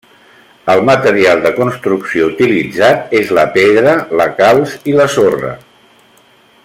El material de construcció utilitzat és la pedra, la calça i la sorra.